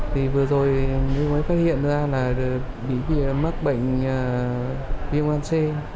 thì vừa rồi mới phát hiện ra là mắc bệnh viêm gan c